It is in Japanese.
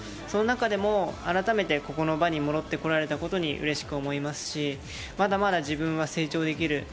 その中でも改めて、この場に戻って来られたことにうれしく思いますし、まだまだ自分は成長できる。